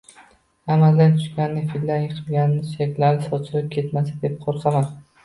Amaldan tushganida fildan yiqilganidek suyaklari sochilib ketmasa deb qo’rqaman!